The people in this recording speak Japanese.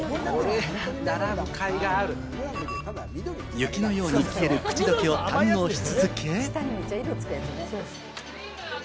雪のように消える口どけを堪能し続け。